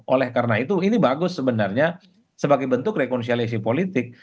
oleh karena itu ini bagus sebenarnya sebagai bentuk rekonsiliasi politik